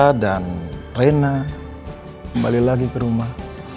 rosa dan rena kembali lagi ke rumah